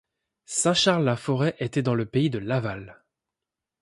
Saint-Charles-la-Forêt était dans le pays de Laval.